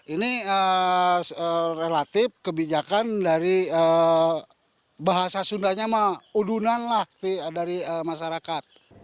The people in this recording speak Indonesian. ini relatif kebijakan dari bahasa sundanya udunan lah dari masyarakat